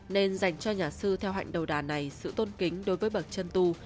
nên dành cho nhà sư theo hạnh đầu đàn này sự tôn kính đối với bậc chân tu